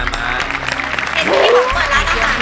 พี่ป๋องเปิดร้านอาหาร